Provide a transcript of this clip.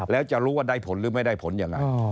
แล้วจะรู้ว่าได้ผลหรือไม่ได้ผลยังไง